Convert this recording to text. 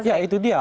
ya itu dia